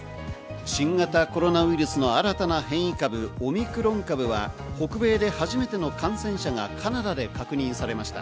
新型コロナウイルスの新たな変異株、オミクロン株は北米で初めての感染者がカナダで確認されました。